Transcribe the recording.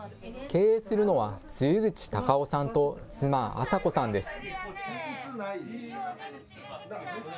経営するのは、露口貴雄さんと妻、朝子さんです。